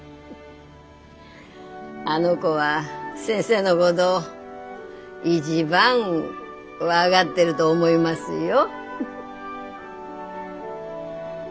あの子は先生のごど一番分がってるど思いますよ。